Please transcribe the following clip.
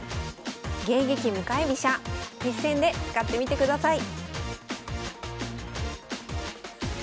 迎撃向かい飛車実戦で使ってみてください